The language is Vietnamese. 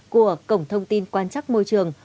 của cổng thông tin quan trắc môi trường